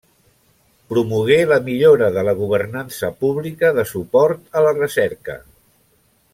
Promogué la millora de la governança pública de suport a la recerca.